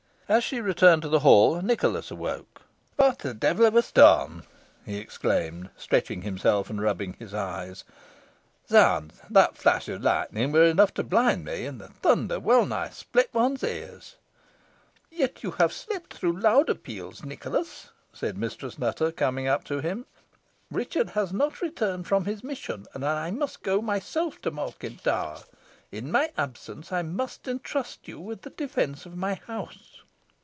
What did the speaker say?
As she returned to the hall, Nicholas awoke. "What a devil of a storm!" he exclaimed, stretching himself and rubbing his eyes. "Zounds! that flash of lightning was enough to blind me, and the thunder wellnigh splits one's ears." "Yet you have slept through louder peals, Nicholas," said Mistress Nutter, coming up to him. "Richard has not returned from his mission, and I must go myself to Malkin Tower. In my absence, I must entrust you with the defence of my house."